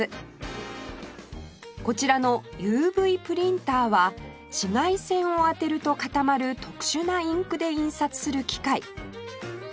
こちらの ＵＶ プリンターは紫外線を当てると固まる特殊なインクで印刷する機械